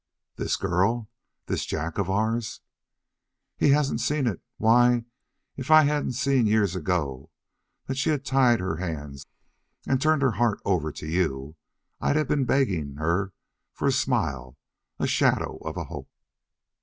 "This girl? This Jack of ours?" "He hasn't seen it! Why, if I hadn't seen years ago that she had tied her hands and turned her heart over to you, I'd have been begging her for a smile, a shadow of a hope."